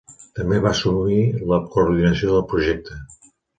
També va assumir la coordinació del projecte.